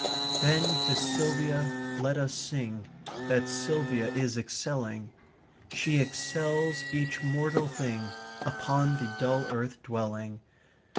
/* "Then to Silvia let us sing, That Silvia is excelling; She excels each mortal thing Upon the dull earth dwelling.